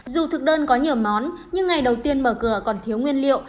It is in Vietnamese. dù thực đơn có nhiều món nhưng ngày đầu tiên mở cửa còn thiếu nguyên liệu